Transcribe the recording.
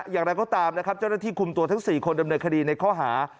อย่างไรก็ตามเจ้านักธิคุมตัวทั้ง๔คนดำเนินคดีในข้อหา